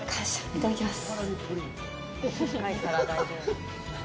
いただきます。